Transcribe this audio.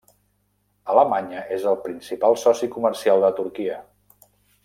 Alemanya és el principal soci comercial de Turquia.